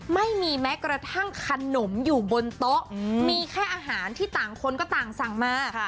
ไม่มีแม้กระทั่งขนมอยู่บนโต๊ะมีแค่อาหารที่ต่างคนก็ต่างสั่งมา